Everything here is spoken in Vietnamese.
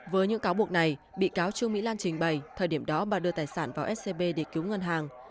với những cáo buộc này bị cáo trương mỹ lan trình bày thời điểm đó bà đưa tài sản vào scb để cứu ngân hàng